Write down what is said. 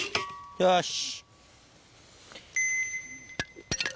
よし！